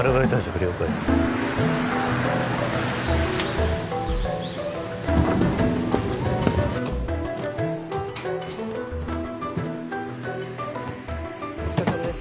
了解お疲れさまです